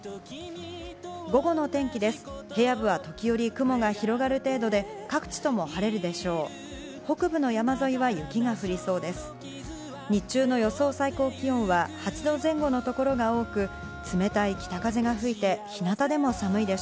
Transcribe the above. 午後の天気です。